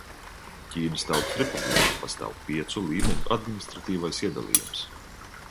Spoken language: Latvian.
Ķīnas Tautas Republikā pastāv piecu līmeņu administratīvais iedalījums.